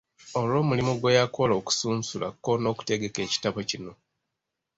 Olw’omulimu gwe yakola okusunsula ko n’okutegeka ekitabo kino.